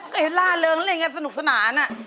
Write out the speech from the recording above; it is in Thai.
เราระเริงอะไรอย่างนี้สนุกสนาน